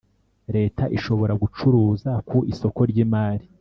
Leta ishobora gucuruza ku isoko ry imari